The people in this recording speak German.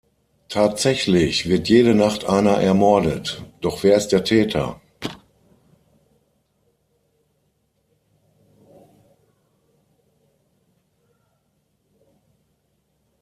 Tatsächlich wird jede Nacht einer ermordet, doch wer ist der Täter?